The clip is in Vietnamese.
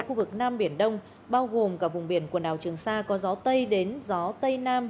khu vực nam biển đông bao gồm cả vùng biển quần đảo trường sa có gió tây đến gió tây nam